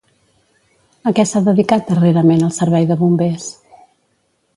A què s'ha dedicat darrerament el servei de bombers?